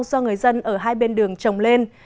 do người dân ở hai bên đường trồng lên